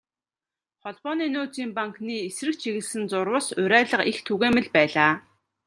Холбооны нөөцийн банкны эсрэг чиглэсэн зурвас, уриалга их түгээмэл байлаа.